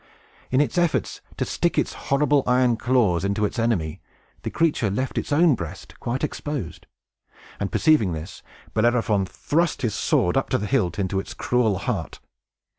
In its efforts to stick its horrible iron claws into its enemy, the creature left its own breast quite exposed; and perceiving this, Bellerophon thrust his sword up to the hilt into its cruel heart.